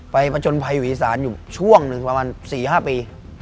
ไปประชนภัยอยู่อีสานอยู่ช่วงประมาณ๔๕ปี